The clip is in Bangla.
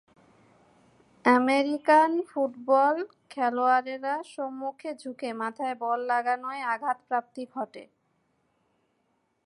আমেরিকান ফুটবল খেলোয়াড়েরা সম্মুখে ঝুঁকে মাথায় বল লাগানোয় আঘাতপ্রাপ্তি ঘটে।